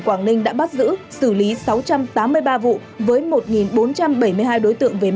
trên chín gam vaccine